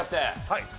はい。